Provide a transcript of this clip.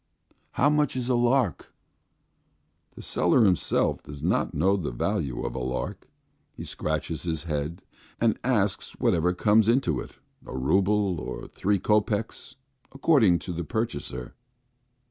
"How much is a lark?" The seller himself does not know the value of a lark. He scratches his head and asks whatever comes into it, a rouble, or three kopecks, according to the purchaser.